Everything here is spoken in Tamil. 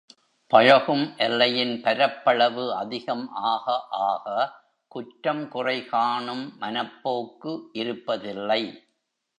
பழகும் எல்லையின் பரப்பளவு அதிகம் ஆக ஆக குற்றம் குறைகானும் மனப்போக்கு இருப்ப தில்லை.